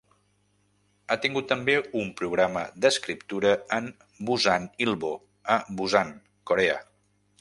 Ha tingut també un programa d'escriptura amb Busan Ilbo, a Busan, Corea.